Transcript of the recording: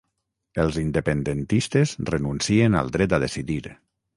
Els independentistes renuncien al dret a decidir.